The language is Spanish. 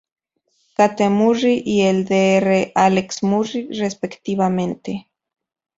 Kate Murry y el Dr. Alex Murry, respectivamente.